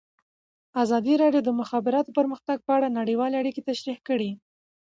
ازادي راډیو د د مخابراتو پرمختګ په اړه نړیوالې اړیکې تشریح کړي.